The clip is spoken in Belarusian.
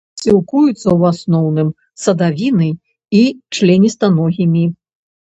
Сілкуецца ў асноўным садавінай і членістаногімі.